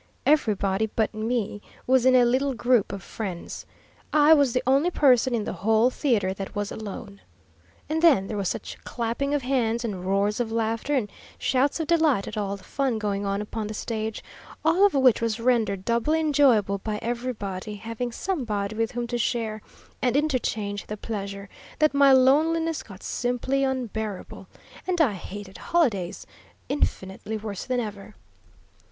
Everybody but me was in a little group of friends. I was the only person in the whole theatre that was alone. And then there was such clapping of hands, and roars of laughter, and shouts of delight at all the fun going on upon the stage, all of which was rendered doubly enjoyable by everybody having somebody with whom to share and interchange the pleasure, that my loneliness got simply unbearable, and I hated holidays infinitely worse than ever.